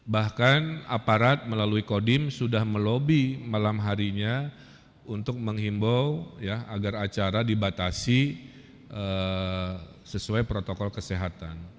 bahkan aparat melalui kodim sudah melobi malam harinya untuk menghimbau agar acara dibatasi sesuai protokol kesehatan